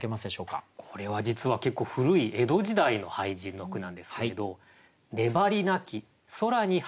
これは実は結構古い江戸時代の俳人の句なんですけれど。